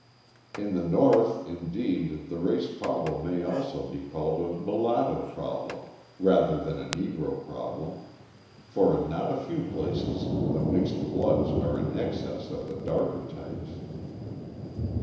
In the North, indeed, the race problem may almost be called a mulatto problem rather than a Negro problem, for in not a few places the mixed bloods are in excess of the darker types.